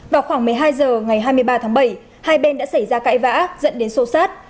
vào khoảng một mươi hai h ngày hai mươi ba tháng bảy hai bên đã xảy ra cãi vã dẫn đến sô sát